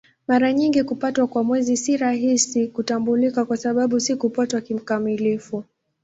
Mara nyingi kupatwa kwa Mwezi si rahisi kutambulika kwa sababu si kupatwa kikamilifu.